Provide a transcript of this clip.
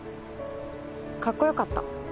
かっこよかった。